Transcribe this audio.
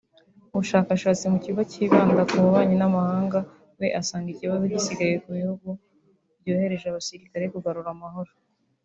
Umushakashatsi mu kigo kibanda ku bubanyi n’amahanga we asanga ikibazo gisigaye ku bihugu byohereje abasirikare kugarura amahoro